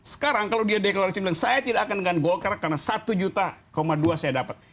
sekarang kalau dia deklarasi bilang saya tidak akan dengan golkar karena satu juta dua saya dapat